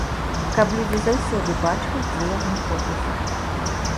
Каб людзі заўсёды бачылі, дзе я знаходжуся.